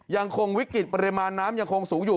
ยังคงวิกฤตปริมาณน้ำยังคงสูงอยู่